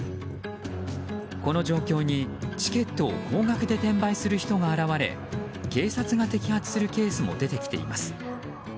この状況にチケットを高額で転売する人が現れ警察が摘発するケースも出てきています。